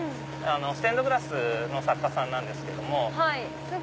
ステンドグラスの作家さんなんですけども。